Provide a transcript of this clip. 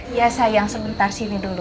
iya sayang sebentar sini dulu